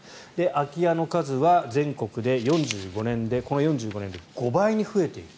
空き家の数は全国でこの４５年で５倍に増えている。